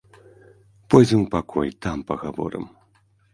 Пойдзем у пакой, там пагаворым.